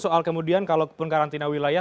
soal kemudian kalaupun karantina wilayah